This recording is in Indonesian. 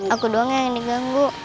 aku doang yang diganggu